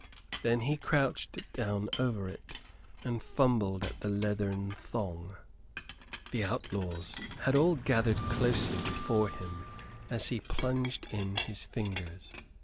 Then he crouched down over it and fumbled at the leathern thong. The outlaws had all gathered closely before him as he plunged in his fingers.